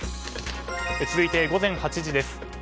続いて午前８時です。